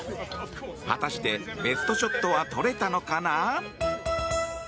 果たしてベストショットは撮れたのかな。